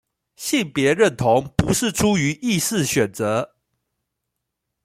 性別認同不是出於意識選擇